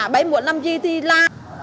bấy muộn làm gì thì la